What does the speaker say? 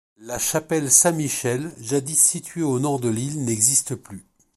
La chapelle Saint-Michel jadis située au nord de l'île n'existe plus.